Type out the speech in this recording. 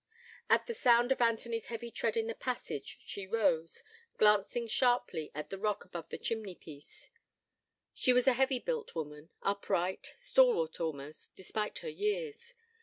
At the sound of Anthony's heavy tread in the passage, she rose, glancing sharply at the clock above the chimney piece. She was a heavy built woman, upright, stalwart almost, despite her years.